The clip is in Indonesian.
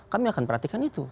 kami akan perhatikan itu